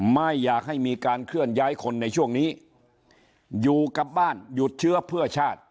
ไม่อยากให้มีการเคลื่อนย้ายคนในช่วงนี้อยู่กับบ้านหยุดเชื้อเพื่อชาติ